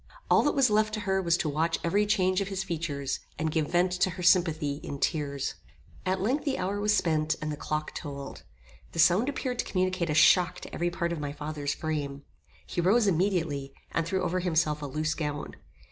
All that was left to her was to watch every change of his features, and give vent to her sympathy in tears. At length the hour was spent, and the clock tolled. The sound appeared to communicate a shock to every part of my father's frame. He rose immediately, and threw over himself a loose gown.